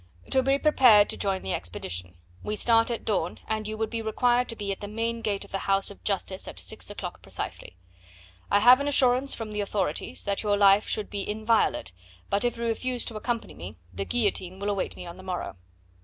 "... 'to be prepared to join the expedition. We start at dawn, and you would be required to be at the main gate of the house of Justice at six o'clock precisely. I have an assurance from the authorities that your life should be in violate, but if you refuse to accompany me, the guillotine will await me on the morrow.